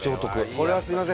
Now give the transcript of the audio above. これはすいません。